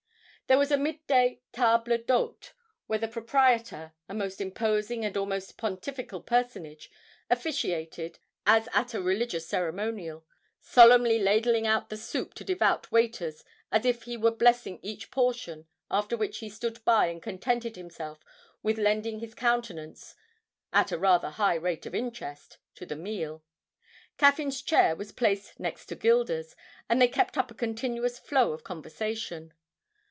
There was a midday table d'hôte, where the proprietor, a most imposing and almost pontifical personage, officiated as at a religious ceremonial, solemnly ladling out the soup to devout waiters as if he were blessing each portion, after which he stood by and contented himself with lending his countenance (at a rather high rate of interest) to the meal. Caffyn's chair was placed next to Gilda's, and they kept up a continuous flow of conversation.